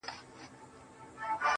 نوره سپوږمۍ راپسي مه ږغـوه~